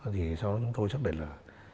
thì sau đó chúng tôi xác định là